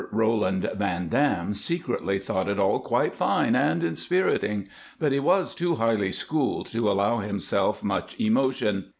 Roland Van Dam secretly thought it all quite fine and inspiriting, but he was too highly schooled to allow himself much emotion.